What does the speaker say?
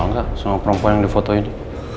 kenal nggak sama perempuan yang di foto ini